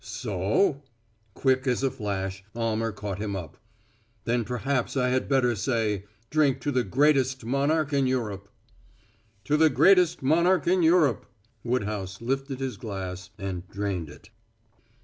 "So?" Quick as a flash Almer caught him up. "Then perhaps I had better say, drink to the greatest monarch in Europe." "To the greatest monarch in Europe!" Woodhouse lifted his glass and drained it.